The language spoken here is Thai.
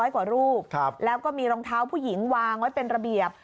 กว่ารูปแล้วก็มีรองเท้าผู้หญิงวางไว้เป็นระเบียบ